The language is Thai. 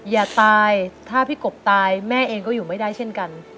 อย่าตายถ้าพี่กบตายแม่เองก็อยู่ไม่ได้เช่นกัน